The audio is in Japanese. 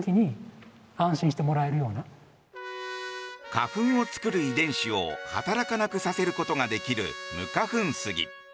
花粉を作る遺伝子を働かなくさせることができる無花粉スギ。